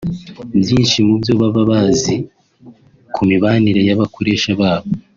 byinshi mu byo baba bazi ku mibanire y’abakoresha babo